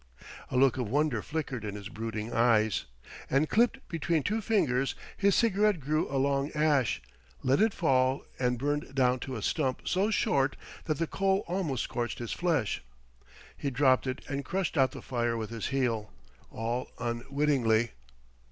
A look of wonder flickered in his brooding eyes; and clipped between two fingers, his cigarette grew a long ash, let it fall, and burned down to a stump so short that the coal almost scorched his flesh. He dropped it and crushed out the fire with his heel, all unwittingly.